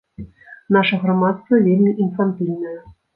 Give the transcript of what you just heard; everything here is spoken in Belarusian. Наша грамадства вельмі інфантыльнае.